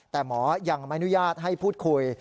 แต่หมอยังไม่อนุญาตให้พูดคุย